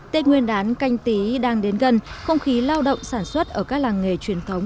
tết nguyên đán canh tí đang đến gần không khí lao động sản xuất ở các làng nghề truyền thống